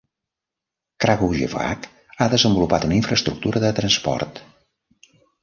Kragujevac ha desenvolupat infraestructura de transport.